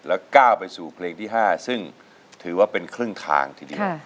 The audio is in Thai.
แล้วก้าวไปสู่เพลงที่๕ซึ่งถือว่าเป็นครึ่งทางทีเดียว